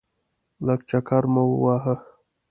لږ چکر مو وواهه.